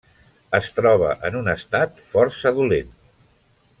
Es troba en un estat força dolent.